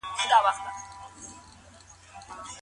د وخت پابندي يې له مامورينو غوښتله.